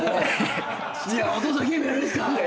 「お父さんゲームやるんですか？」